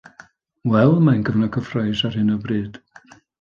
Wel, mae'n gyfnod cyffrous ar hyn o bryd